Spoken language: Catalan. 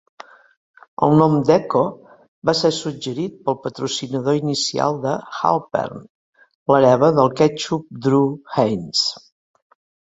El nom d'Ecco va ser suggerit pel patrocinador inicial de Halpern, l'hereva del ketchup Drue Heinz.